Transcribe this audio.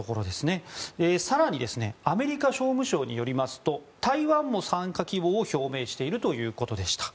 更に、アメリカ商務省によりますと台湾も参加希望を表明しているということでした。